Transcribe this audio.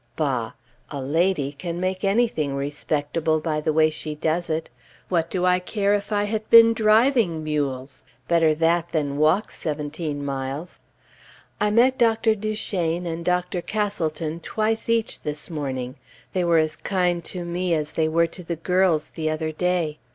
Bah! A lady can make anything respectable by the way she does it! What do I care if I had been driving mules? Better that than walk seventeen miles. I met Dr. DuChêne and Dr. Castleton twice each, this morning. They were as kind to me as they were to the girls the other day.